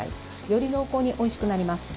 より濃厚においしくなります。